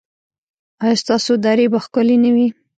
ایا ستاسو درې به ښکلې نه وي؟